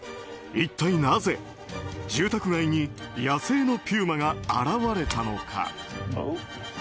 一体なぜ、住宅街に野生のピューマが現れたのか。